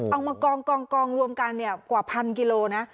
เอามากองรวมกันเนี่ยกว่า๑๐๐๐กิโลนะ